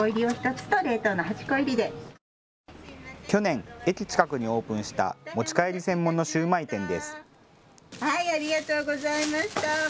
去年、駅近くにオープンした持ち帰り専門のシューマイ店です。